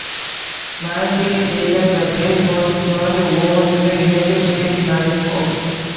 Nine days later the base was turned over to the United States Marine Corps.